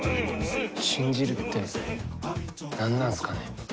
信じるって何なんすかね？